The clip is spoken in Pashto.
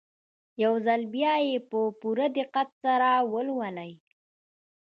يو ځل بيا يې په پوره دقت سره ولولئ.